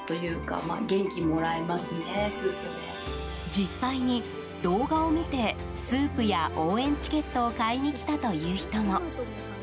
実際に動画を見てスープや応援チケットを買いに来たという人も。